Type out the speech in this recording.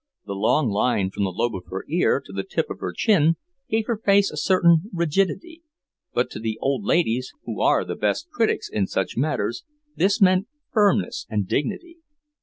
The long line from the lobe of her ear to the tip of her chin gave her face a certain rigidity, but to the old ladies, who are the best critics in such matters, this meant firmness and dignity.